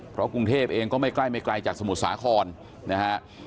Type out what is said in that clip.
เพราะกรุงเทพเองก็ไม่ใกล้ไม่ไกลจากสมุทรสาครนะฮะ